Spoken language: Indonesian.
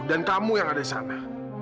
dan kamu yang ada di sana